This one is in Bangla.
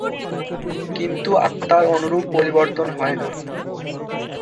কিন্তু আত্মার অনুরূপ পরিবর্তন হয় না।